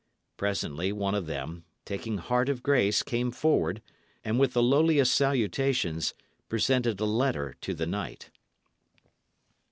Presently one of them, taking heart of grace, came forward, and with the lowliest salutations, presented a letter to the knight.